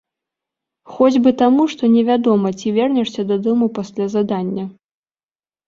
Хоць бы таму, што невядома, ці вернешся дадому пасля задання.